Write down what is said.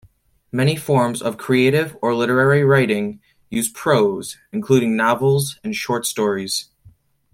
Many forms of creative or literary writing use prose, including novels and short stories.